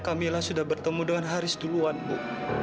kamila sudah bertemu dengan haris duluan ibu